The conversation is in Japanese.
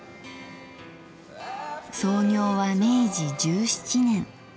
創業は明治１７年。